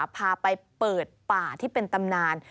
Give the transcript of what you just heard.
พาไปเปิดป่าที่เป็นตำนาน